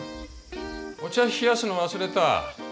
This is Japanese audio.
お茶冷やすの忘れた。